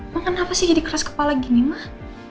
mak kenapa sih jadi keras kepala gini mak